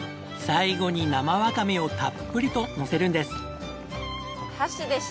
最後に生ワカメをたっぷりとのせるんです。